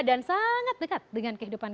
dan sangat dekat dengan harga barang